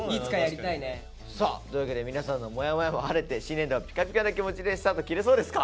さあというわけで皆さんのモヤモヤも晴れて新年度はピカピカな気持ちでスタート切れそうですか？